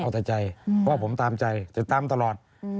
เอาแต่ใจเพราะผมตามใจจะตามตลอด